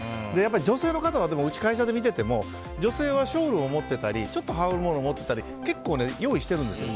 女性の方はうちの会社で見てても女性はショールを持ってたりちょっと羽織るものを持ってたり結構用意してるんですよ。